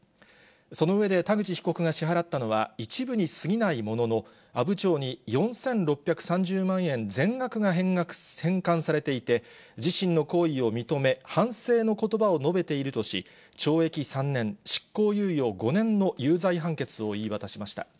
その上で、田口被告が支払ったのは一部に過ぎないものの、阿武町に４６３０万円全額が返還されていて、自身の行為を認め、反省のことばを述べているとし、懲役３年、執行猶予５年の有罪判決を言い渡しました。